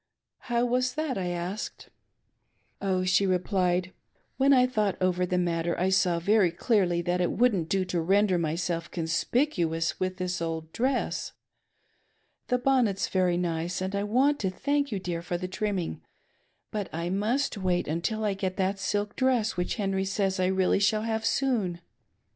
" Mow was that ?" I asked. "Oh," she replied, "when I thought over the matter I saw very clearly that it wouldn't do to render myself conspicuous with this old dress. The bonnet's very nice and I want to thank you, dear, for the trimming ; but I must wait till I get that silk dress which Henry says I really shall have soon.